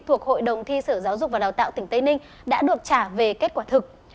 thuộc hội đồng thi sở giáo dục và đào tạo tỉnh tây ninh đã được trả về kết quả thực